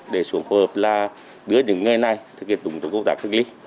để xuống phù hợp là đưa những người này thực hiện tổng cộng tác thực lý